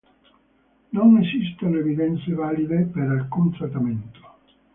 Non esistono evidenze valide per alcun trattamento.